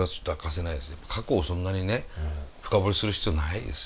過去をそんなにね深掘りする必要ないですよ。